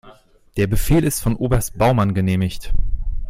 Der Befehl ist von Oberst Baumann genehmigt.